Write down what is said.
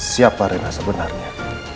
siapa rena sebenarnya